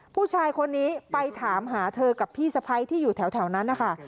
ผู้ชายคนนี้ไปถามหาเธอกับพี่สะพ้ายที่อยู่แถวนั้นนะคะ